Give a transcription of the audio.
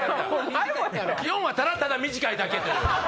４はただただ短いだけっていう。